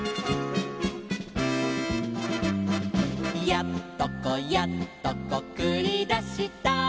「やっとこやっとこくりだした」